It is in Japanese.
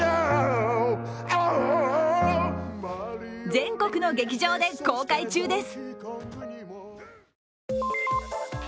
全国の劇場で公開中です。